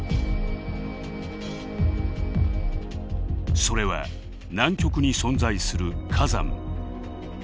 それは南極に存在する火山。